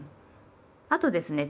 あとですね